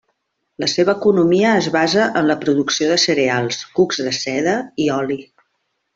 La seva economia es basa en la producció de cereals, cucs de seda i oli.